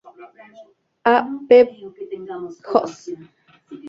A Ppe Jos.